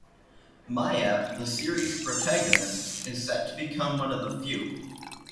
Maia, the series' protagonist, is set to become one of the few.